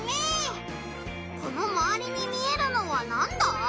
このまわりに見えるのはなんだ？